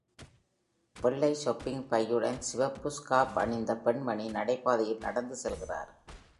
வெள்ளை ஷாப்பிங் பையுடன் சிவப்பு ஸ்கார்ஃப் அணிந்த பெண்மணி நடைபாதையில் நடந்து செல்கிறார்.